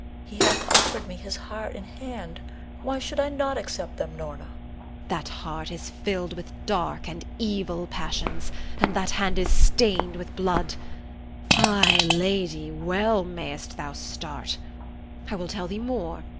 He hath offered me his heart and hand. Why should I not accept them, Norna? Norna. That heart is filled with dark and evil passions, and that hand is stained with blood. Ay, lady, well mayst thou start. I will tell thee more.